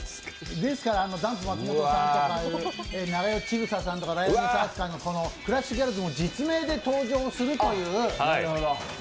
ですからダンプ松本さんとか長与千種さんとかライオネス飛鳥など、クラッシュギャルズも実名で登場するという。